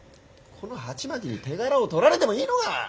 このハチマキに手柄を取られてもいいのか！